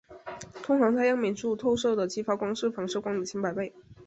通常在样品处透射的激发光是反射光的千百倍。